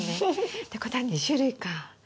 ってことは２種類か。